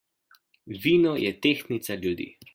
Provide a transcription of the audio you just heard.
Vino je tehtnica ljudi.